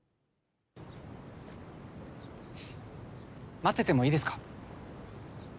待っててもいいですか？